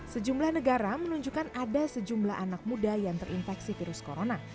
sejumlah negara menunjukkan ada sejumlah anak muda yang terinfeksi virus corona